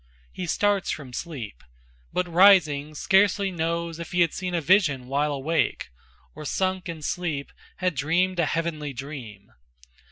He starts from sleep, but rising, scarcely knows If he had seen a vision while awake, Or, sunk in sleep, had dreamed a heavenly dream.